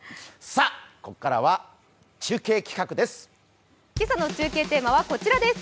さあ、ここからは中継企画です。